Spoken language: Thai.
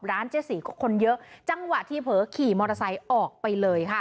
เจ๊สีก็คนเยอะจังหวะที่เผลอขี่มอเตอร์ไซค์ออกไปเลยค่ะ